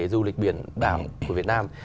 du lịch biển đảo của việt nam